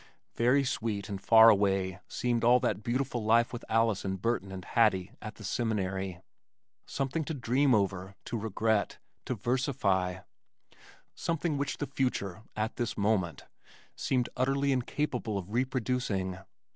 Very sweet and far away seemed all that beautiful life with Alice and Burton and Hattie at the Seminary, something to dream over, to regret, to versify, something which the future (at this moment) seemed utterly incapable of reproducing.